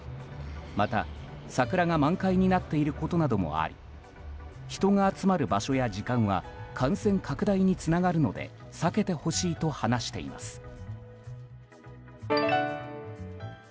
また、桜が満開になっていることなどもあり人が集まる場所や時間は感染拡大につながるので避けてほしいと話しています。